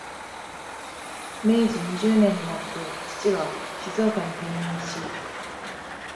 明治二十年になって、父は静岡に転任し、